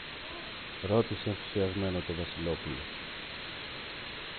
ρώτησε ενθουσιασμένο το Βασιλόπουλο.